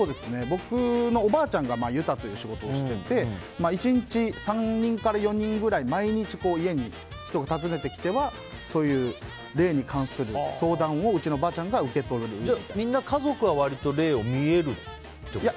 僕のおばあちゃんがユタという仕事をしていて１日３人から４人くらい毎日、人が訪ねてきてはそういう霊に関する相談をうちのばあちゃんがみんな、家族は割と霊が見えるってことですか？